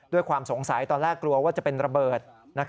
ด้วยความสงสัยตอนแรกกลัวว่าจะเป็นระเบิด